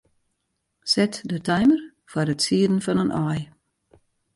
Set de timer foar it sieden fan in aai.